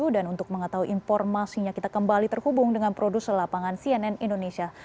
dan untuk mengetahui informasinya kita kembali terhubung dengan produser lapangan cnn indonesia